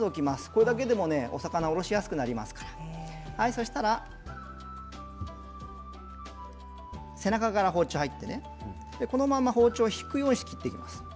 これだけでもお魚がおろしやすくなりますからそうしたら背中から包丁が入ってこのまま包丁を引くように切っていきます。